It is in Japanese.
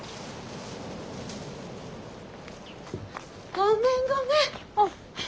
ごめんごめん。